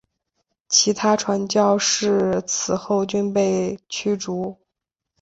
其他传教士此后均被驱逐。